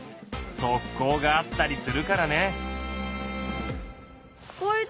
側溝があったりするからね。